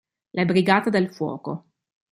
La brigata del fuoco